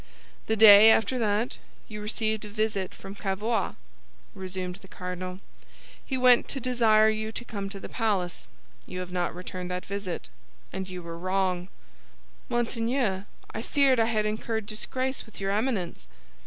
"The day after that, you received a visit from Cavois," resumed the cardinal. "He went to desire you to come to the palace. You have not returned that visit, and you were wrong." "Monseigneur, I feared I had incurred disgrace with your Eminence."